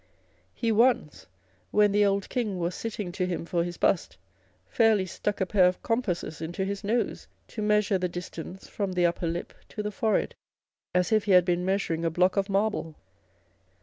He once, when the old King was sitting to him for his bust, fairly stuck a pair of compasses into his nose to measure the distance from the upper lip to the forehead, as if he had been measuring a block of marble.